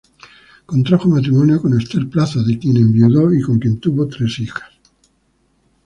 Contrajo matrimonio con Ester Plaza, de quien enviudó y con quien tuvo tres hijas.